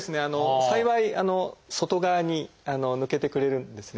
幸い外側に抜けてくれるんですね。